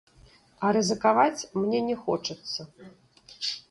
А рызыкаваць мне не хочацца.